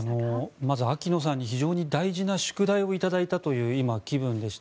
まず秋野さんに非常に大事な宿題を頂いたという今、気分でして。